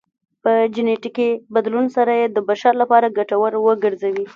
په جنیټیکي بدلون سره یې د بشر لپاره ګټور وګرځوي